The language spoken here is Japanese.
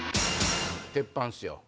鉄板っすよ。